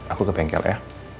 aku ke bengkel ya